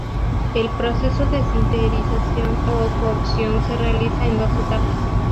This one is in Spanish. El proceso de sinterización, o cocción, se realiza en dos etapas.